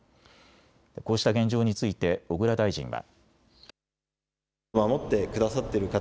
こうした現状について小倉大臣は。